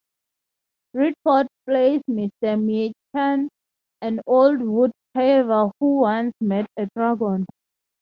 Redford plays Mr. Meacham, an old wood carver who once met a dragon.